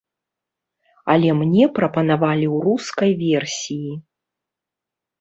Але мне прапанавалі ў рускай версіі.